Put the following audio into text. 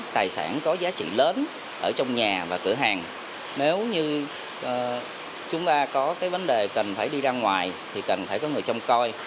tài sản có giá trị lớn ở trong nhà và cửa hàng nếu như chúng ta có cái vấn đề cần phải đi ra ngoài thì cần phải có người trông coi